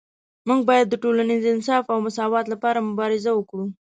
موږ باید د ټولنیز انصاف او مساوات لپاره مبارزه وکړو